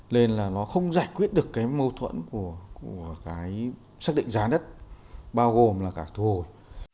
nên là nó không giải quyết được cái mâu thuẫn của cái xác định giá đất bao gồm là cả thu hồi